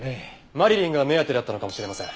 マリリンが目当てだったのかもしれません。